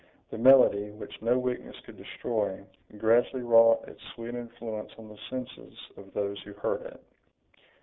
The melody, which no weakness could destroy, gradually wrought its sweet influence on the senses of those who heard it.